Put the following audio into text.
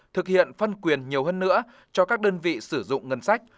thực hiện phân quyền nhiều hơn nữa cho các đơn vị sử dụng ngân sách